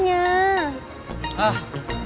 enak sih ini